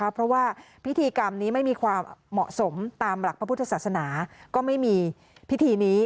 เพราะว่าพิธีกรรมนี้ไม่มีความเหมาะสมตามหลักพระพุทธศาสนาก็ไม่มีพิธีนี้